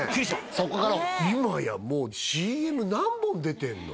そこから今やもうＣＭ何本出てんの？